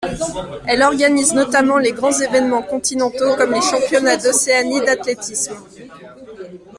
Elle organise notamment les grands événements continentaux comme les Championnats d'Océanie d'athlétisme.